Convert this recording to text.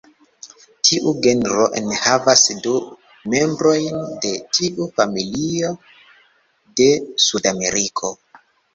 Tiu genro enhavas du membrojn de tiu familio de Sudameriko.